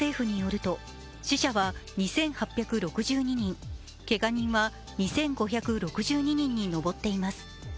モロッコ政府によると死者は２８６２人けが人は２５６２人に上っています。